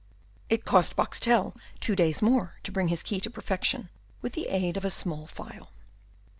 It cost Boxtel two days more to bring his key to perfection, with the aid of a small file.